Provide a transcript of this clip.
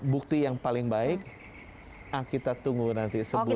bukti yang paling baik kita tunggu nanti sebulan lagi